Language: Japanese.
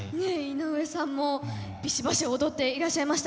井上さんもビシバシ踊っていらっしゃいましたね。